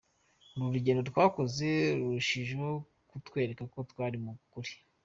Uru rugendo twakoze, rwarushijeho kutwereka ko twari mu kuri.